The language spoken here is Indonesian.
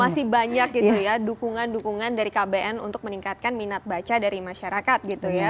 masih banyak gitu ya dukungan dukungan dari kbn untuk meningkatkan minat baca dari masyarakat gitu ya